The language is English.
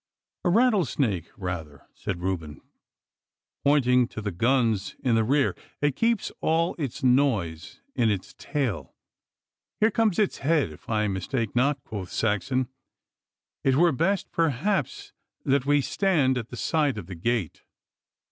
'A rattlesnake, rather,' said Reuben, pointing to the guns in the rear. 'It keeps all its noise in its tail.' 'Here comes its head, if I mistake not,' quoth Saxon. 'It were best perhaps that we stand at the side of the gate.